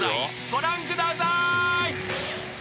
ご覧ください］